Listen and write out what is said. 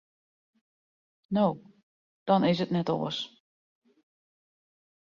No, dan is it net oars.